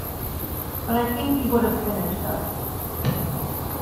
But I think he would've finished us.